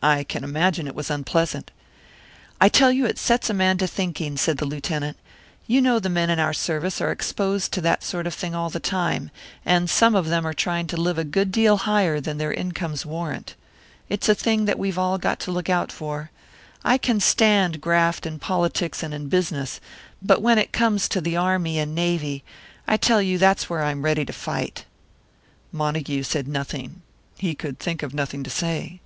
"I can imagine it was unpleasant." "I tell you, it sets a man to thinking," said the Lieutenant. "You know the men in our service are exposed to that sort of thing all the time, and some of them are trying to live a good deal higher than their incomes warrant. It's a thing that we've all got to look out for; I can stand graft in politics and in business, but when it comes to the Army and Navy I tell you, that's where I'm ready to fight." Montague said nothing. He could think of nothing to say.